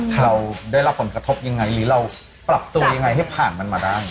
เราได้รับผลกระทบยังไงหรือเราปรับตัวยังไงให้ผ่านมันมาได้